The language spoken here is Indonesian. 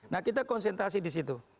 nah kita konsentrasi di situ